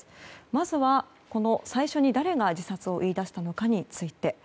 まずは、最初に誰が自殺を言い出したのかについて。